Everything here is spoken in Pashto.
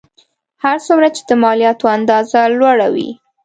هر څومره چې د مالیاتو اندازه لوړه وي